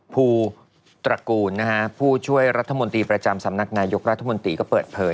ภูตระกูลผู้ช่วยรัฐมนตรีประจำสำนักนายกรัฐมนตรีก็เปิดเผย